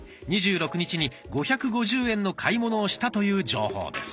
２６日に５５０円の買い物をしたという情報です。